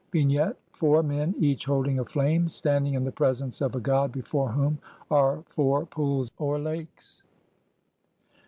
] Vignette : Four men, each holding a flame, standing in the presence of a god before whom are four pools or lakes.